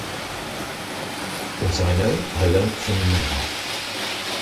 What I know, I learned from Mao.